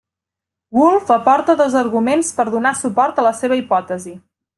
Woolf aporta dos arguments per donar suport a la seva hipòtesi.